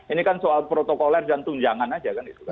ini kan soal protokoler dan tunjangan aja